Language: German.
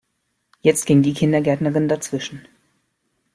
Jetzt ging die Kindergärtnerin dazwischen.